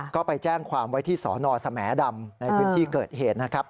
ก็ไปแจ้งความไว้ที่สนสแหมดำในพื้นที่เกิดเหตุนะครับ